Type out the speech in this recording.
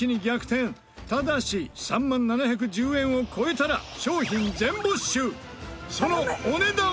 ただし３万７１０円を超えたら商品全没収。